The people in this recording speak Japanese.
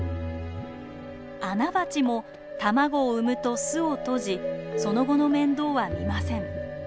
アナバチも卵を産むと巣を閉じその後の面倒はみません。